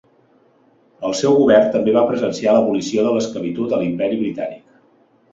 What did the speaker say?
El seu govern també va presenciar l'abolició de l'esclavitud a l'imperi britànic.